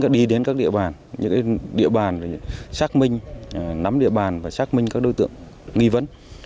đi đến các địa bàn những địa bàn để xác minh nắm địa bàn và xác minh các đối tượng nghi vấn